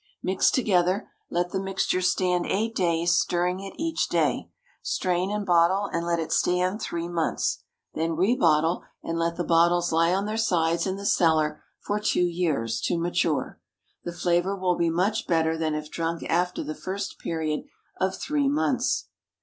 Mix together, let the mixture stand eight days, stirring it each day. Strain and bottle, and let it stand three months. Then re bottle, and let the bottles lie on their sides in the cellar for two years, to mature. The flavour will be much better than if drunk after the first period of three months.